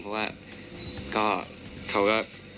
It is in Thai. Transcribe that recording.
เพราะว่าก็เขาก็